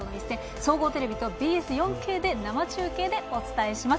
総合テレビとＢＳ４Ｋで生中継でお伝えします。